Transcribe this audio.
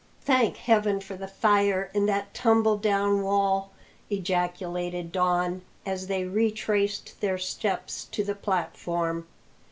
"Thank Heaven for the fire and that tumbledown wall!" ejaculated Don as they retraced their steps to the platform.